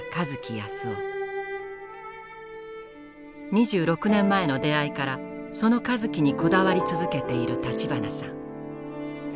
２６年前の出会いからその香月にこだわり続けている立花さん。